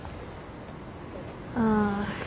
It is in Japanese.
ああ